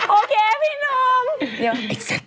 โอเคพี่หนุ่ม